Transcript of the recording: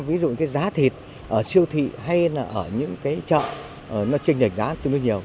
ví dụ cái giá thịt ở siêu thị hay là ở những cái chợ nó trình lệch giá tương đối nhiều